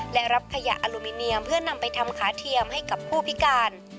และรับขยะอลูมิเนียมเพื่อนำไปทำขาเทียมให้กับผู้พิการ